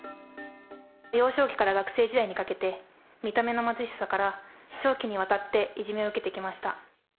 幼少期から学生時代にかけて、見た目の貧しさから、長期にわたっていじめを受けてきました。